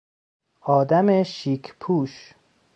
آدم شیک پوش